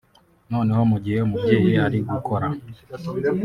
noneho mu gihe umubyeyi ari gukora